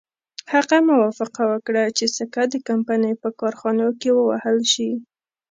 هغه موافقه وکړه چې سکه د کمپنۍ په کارخانو کې ووهل شي.